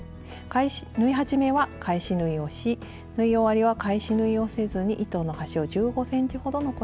縫い始めは返し縫いをし縫い終わりは返し縫いをせずに糸の端を１５ｃｍほど残して切ります。